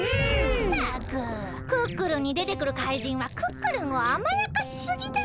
ったく「クックルン」にでてくる怪人はクックルンをあまやかしすぎだにゃ。